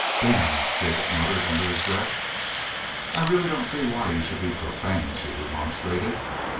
"Damn!" Jacob muttered, under his breath. "I really don't see why you should be profane," she remonstrated.